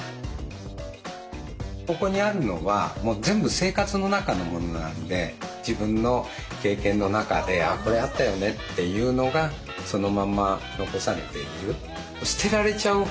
ここにあるのはもう全部自分の経験の中で「これあったよね」っていうのがそのまんま残されている。